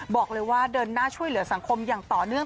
บอกเลยว่าเดินหน้าช่วยเหลือสังคมอย่างต่อเนื่อง